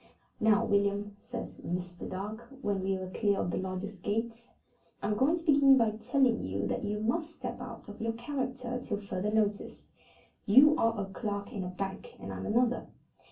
"Now, William," says Mr. Dark, when we were clear of the lodge gates, "I'm going to begin by telling you that you must step out of your own character till further notice. You are a clerk in a bank, and I'm another.